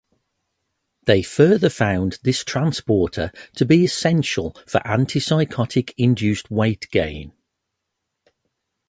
They further found this transporter to be essential for antipsychotic induced weight gain.